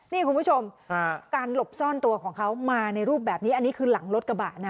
นี่คุณผู้ชมการหลบซ่อนตัวของเขามาในรูปแบบนี้อันนี้คือหลังรถกระบะนะ